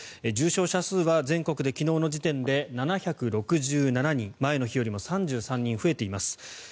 重症者数は全国で昨日の時点で７６７人前の日よりも３３人増えています。